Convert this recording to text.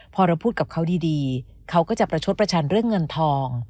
พอเราพูดกับเขาดีเขาก็จะประชดประชันเรื่องเงินทอง